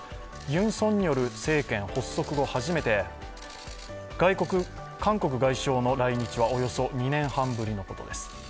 ユン・ソンニョル政権発足後、初めて、韓国外相の来日はおよそ２年半ぶりのことです。